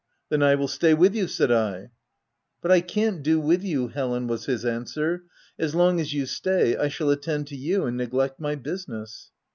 " Then I will stay with you/' said I. " But I can't do with you, Helen/' was his answer : u as long as you stay, I shall attend to you and neglect my business.